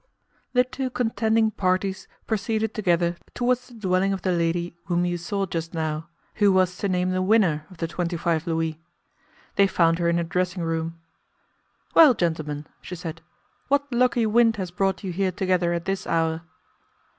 "The two contending parties proceeded together towards the dwelling of the lady whom you saw just now, who was to name the winner of the twenty five louis. "They found her in her dressing room. 'Well gentlemen,' she said, 'what lucky wind has brought you here together at this hour?